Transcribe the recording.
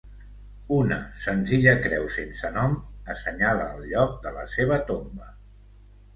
Una senzilla creu sense nom assenyala el lloc de la seva tomba.